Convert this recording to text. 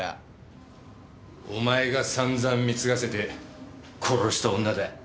お前が散々貢がせて殺した女だ。